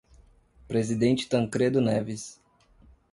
Presidente Tancredo Neves